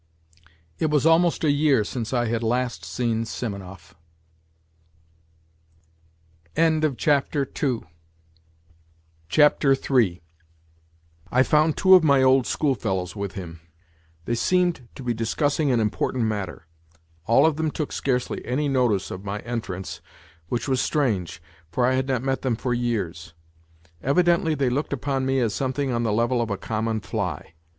It was almost a year since I had last seen Simonov III I found two of my old schoolfellows with him. They srrinrd to be discussing an important matter. All of them took scarcely any notice of my entrance, which was strange, for I had not met them for years. Evidently they looked upon me as something on the level of a common fly.